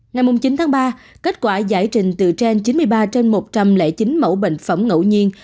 ngày chín tháng ba kết quả giải trình từ trên chín mươi ba trên một trăm linh chín mẫu bệnh phẩm ngẫu nhiên